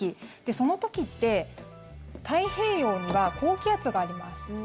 その時って、太平洋には高気圧があります。